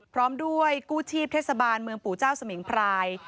พร้อมด้วยกู้ชีพเทศบาลเมืองปู่เจ้าสมิงพราย